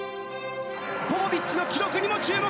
ポポビッチの記録にも注目！